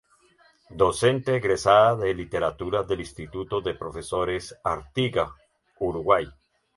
Docente egresada de Literatura del Instituto de Profesores Artigas, Uruguay.